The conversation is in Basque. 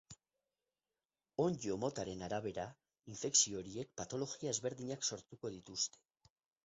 Onddo motaren arabera, infekzio horiek patologia ezberdinak sortuko dituzte.